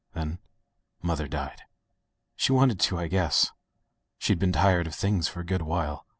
Then mother died. She wanted to, I guess. She'd been tired of things for a good while.